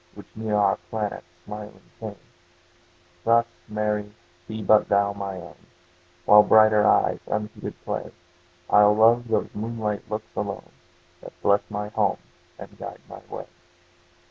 Which near our planet smiling came; Thus, Mary, be but thou my own; While brighter eyes unheeded play, I'll love those moonlight looks alone, That bless my home and guide my way.